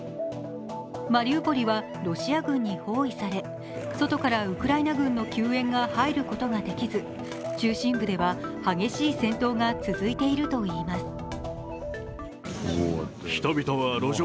マリウポリはロシア軍に包囲され外からウクライナ軍の救援が入ることができず、中心部では激しい戦闘が続いているといいます。